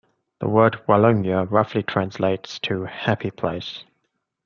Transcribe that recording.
The word "Walyunga" roughly translates to "Happy Place".